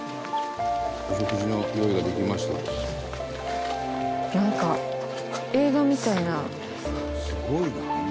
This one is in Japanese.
「お食事の用意ができました」なんか「すごいな」